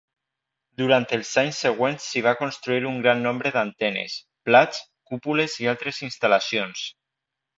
Durant els anys següents s'hi va construir un gran nombre d'antenes, plats, cúpules i altres instal·lacions.